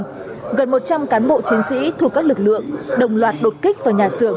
gần một trăm linh cán bộ chiến sĩ thuộc các lực lượng đồng loạt đột kích vào nhà xưởng